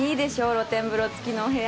露天風呂付きのお部屋。